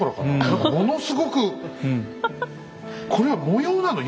何かものすごくこれは模様なの？